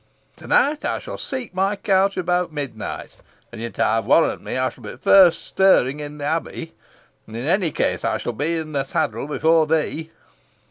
To night I shall seek my couch about midnight, and yet I'll warrant me I shall be the first stirring in the Abbey; and, in any case, I shall be in the saddle before thee."